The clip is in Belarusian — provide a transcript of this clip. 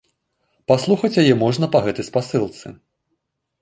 Паслухаць яе можна па гэтай спасылцы.